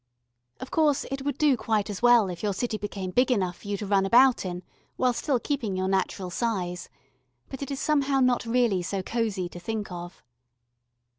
Of course, it would do quite as well if your city became big enough for you to run about in while still keeping your natural size but it is somehow not really so cosy to think of.